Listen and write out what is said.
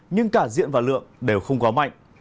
nhưng cả diện và lượng đều không có mạnh